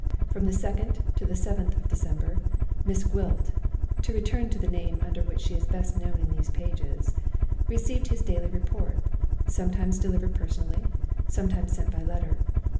From the 2d to the 7th of December, Miss Gwilt (to return to the name under which she is best known in these pages) received his daily report, sometimes delivered personally, sometimes sent by letter.